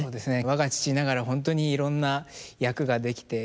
我が父ながら本当にいろんな役ができて。